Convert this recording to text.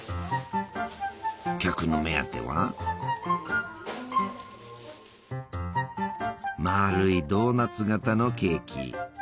客の目当てはまるいドーナツ形のケーキ。